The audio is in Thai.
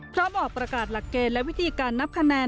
พร้อมออกประกาศหลักเกณฑ์และวิธีการนับคะแนน